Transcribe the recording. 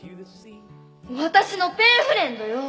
私のペンフレンドよ！